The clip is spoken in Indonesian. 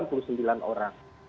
padahal pendirinya adalah sendiri